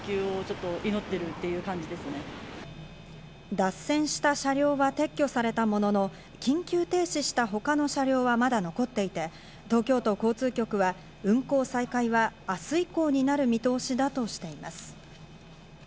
脱線した車両は撤去されたものの、緊急停止したほかの車両はまだ残っていて、東京都交通局は運行再開は明日以降になる見通しだとしています。